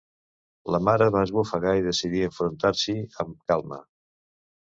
La mare va esbufegar i decidí enfrontar-s'hi amb calma.